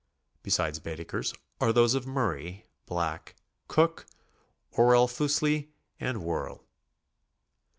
Be sides Baedeker's are those of Murray, Black, Cook, Orell Fussli and Woerl.